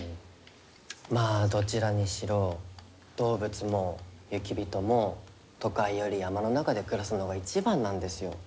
まあどちらにしろ動物も雪人も都会より山の中で暮らすのが一番なんですよ。